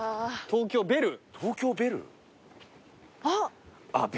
東京ベル？あっ。